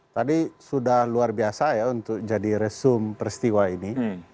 tadi sudah luar biasa ya untuk jadi resum peristiwa ini